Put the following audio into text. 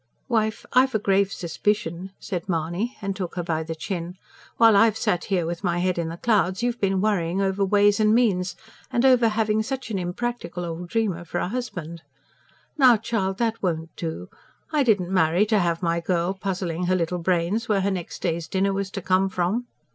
"Wife, I've a grave suspicion!" said Mahony, and took her by the chin. "While I've sat here with my head in the clouds, you've been worrying over ways and means, and over having such an unpractical old dreamer for a husband. Now, child, that won't do. I didn't marry to have my girl puzzling her little brains where her next day's dinner was to come from.